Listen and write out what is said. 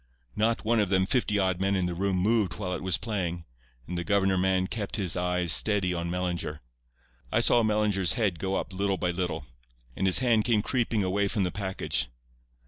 Not one of them fifty odd men in the room moved while it was playing, and the governor man kept his eyes steady on Mellinger. I saw Mellinger's head go up little by little, and his hand came creeping away from the package.